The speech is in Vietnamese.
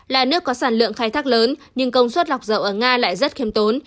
là nước có sản lượng khai thác lớn nhưng công suất lọc dầu ở nga lại rất khiêm tốn